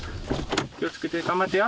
気を付けて。頑張ってよ。